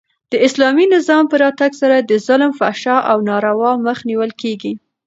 د اسلامي نظام په راتګ سره د ظلم، فحشا او ناروا مخ نیول کیږي.